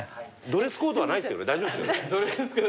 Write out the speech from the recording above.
ドレスコードはないですよね？